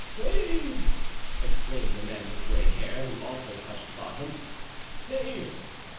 "Saved!" exclaimed the man with gray hair, who also touched bottom. "Saved!"